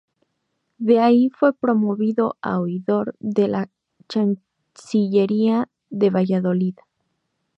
De ahí fue promovido a oidor de la chancillería de Valladolid.